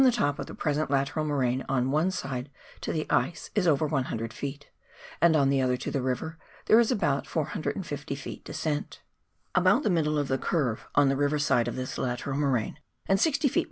top of the present lateral moraine on one side to the ice is over 100 ft., and on the other to the river, there is about 450 ft. descent. About the middle of the curve, on the river side of this lateral moraine, and 60 ft.